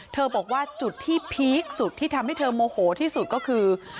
บอกว่าจุดที่พีคสุดที่ทำให้เธอโมโหที่สุดก็คือ